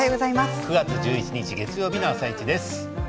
９月１１日月曜日の「あさイチ」です。